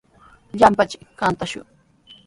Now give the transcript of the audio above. Llapanchik kantashun.